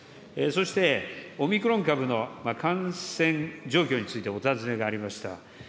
そして、オミクロン株の感染状況についてお尋ねがありました。